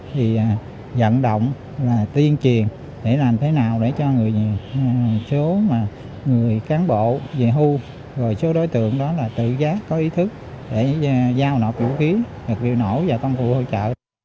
thì dẫn động là tuyên truyền để làm thế nào để cho một số người cán bộ về hưu rồi số đối tượng đó là tự giác có ý thức để giao nộp vũ khí vật liệu nổ và công cụ hỗ trợ